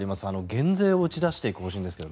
減税を打ち出していく方針ですが。